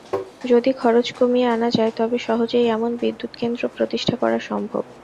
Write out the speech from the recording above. যদি খরচ কমিয়ে আনা যায় তবে সহজেই এমন বিদ্যুৎকেন্দ্র প্রতিষ্ঠা করা সম্ভব।